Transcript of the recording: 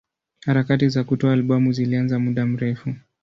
Harakati za kutoa albamu zilianza muda mrefu.